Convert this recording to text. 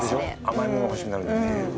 甘いもの欲しくなるよね